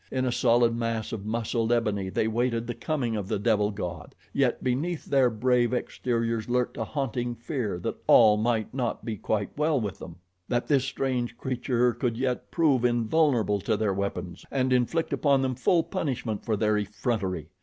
In a solid mass of muscled ebony they waited the coming of the devil god; yet beneath their brave exteriors lurked a haunting fear that all might not be quite well with them that this strange creature could yet prove invulnerable to their weapons and inflict upon them full punishment for their effrontery.